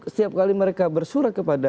dan itu setiap kali mereka bersurah